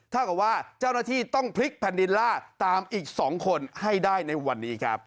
เท่ากับว่าเจ้าหน้าที่ต้องพลิกแผ่นดินล่าตามอีก๒คนให้ได้ในวันนี้ครับ